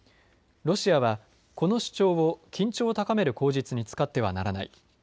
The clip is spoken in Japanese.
ロシアはこの主張を緊張を高める口実に使ってはならない。